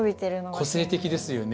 個性的ですよね